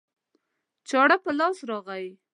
چاړه په لاس راغی